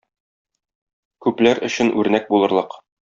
Күпләр өчен үрнәк булырлык.